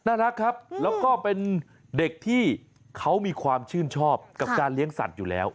น่ารักครับแล้วก็เป็นเด็กที่เขามีความชื่นชอบกับการเลี้ยงสัตว์อยู่แล้ว